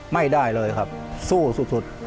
ไม่ได้เลยครับสู้สุด